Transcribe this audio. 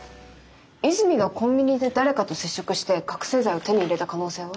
泉がコンビニで誰かと接触して覚醒剤を手に入れた可能性は？